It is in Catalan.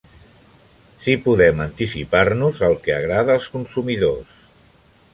Si podem anticipar-nos al que agrada als consumidors.